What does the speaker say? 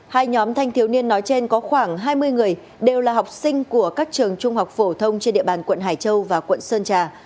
hai nhóm thanh thiếu niên nói trên có khoảng hai mươi người đều là học sinh của các trường trung học phổ thông trên địa bàn quận hải châu và quận sơn trà